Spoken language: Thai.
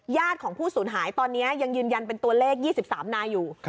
ของผู้สูญหายตอนนี้ยังยืนยันเป็นตัวเลข๒๓นายอยู่